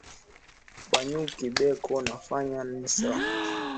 Ba nyuki beko nafanya nsari